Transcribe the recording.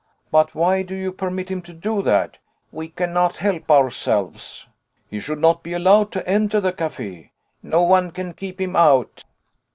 "But why do you permit him to do that?" "We cannot help ourselves." "He should not be allowed to enter the café." "No one can keep him out."